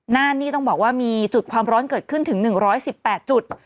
นั่นนี่ต้องบอกว่ามีจุดความร้อนเกิดขึ้นถึง๑๑๘จุด